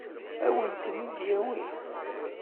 Ad wen-ten-id-yawi?